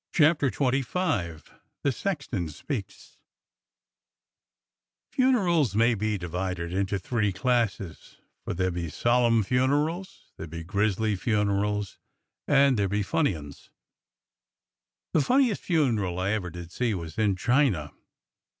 CHAPTER XXV THE SEXTON SPEAKS FUNERALS may be divided into three classes, for there be solemn funerals, there be grizzly funerals, and there be funny 'uns. The fun niest funeral I ever did see was in China.